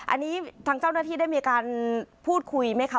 อันนี้ทางเจ้าหน้าที่ได้มีการพูดคุยไหมคะ